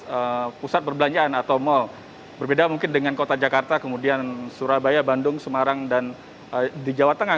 di pusat perbelanjaan atau mal berbeda mungkin dengan kota jakarta kemudian surabaya bandung semarang dan di jawa tengah